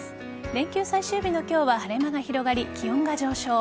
連休最終日の今日は晴れ間が広がり、気温が上昇。